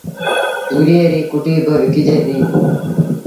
تُوريئي ريٚ ڪُٽيٚ با وڪجي ديٚ